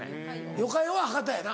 「よかよ」は博多やな。